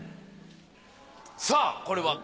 さぁこれは？